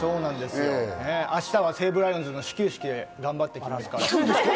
明日は西武ライオンズの始球式で頑張ってきますけど。